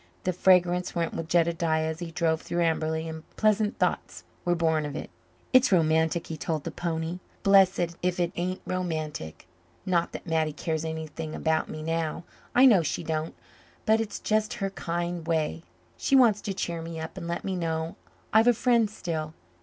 The fragrance went with Jedediah as he drove through Amberley, and pleasant thoughts were born of it. "It's romantic," he told the pony. "Blessed if it ain't romantic! Not that Mattie cares anything about me now. I know she don't. But it's just her kind way. She wants to cheer me up and let me know I've a friend still.